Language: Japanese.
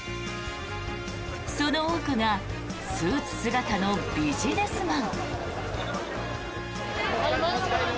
その多くがスーツ姿のビジネスマン。